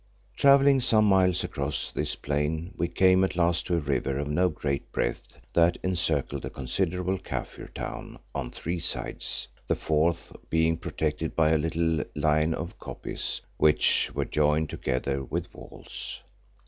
Travelling some miles across this plain, we came at last to a river of no great breadth that encircled a considerable Kaffir town on three sides, the fourth being protected by a little line of koppies which were joined together with walls.